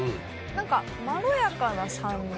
何かまろやかな酸味。